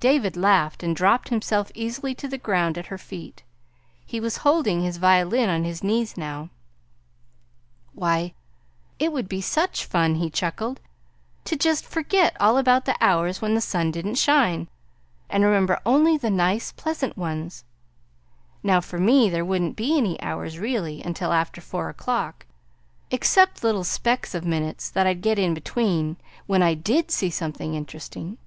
David laughed and dropped himself easily to the ground at her feet. He was holding his violin on his knees now. "Why, it would be such fun," he chuckled, "to just forget all about the hours when the sun didn't shine, and remember only the nice, pleasant ones. Now for me, there wouldn't be any hours, really, until after four o'clock, except little specks of minutes that I'd get in between when I DID see something interesting."